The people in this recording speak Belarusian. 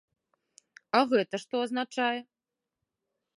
А гэта што азначае?